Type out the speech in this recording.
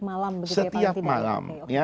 malam setiap malam